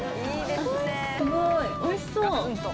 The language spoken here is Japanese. すごいおいしそう！